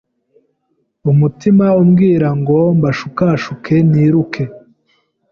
umutima umbwira ngo mbashukashuke, niruke.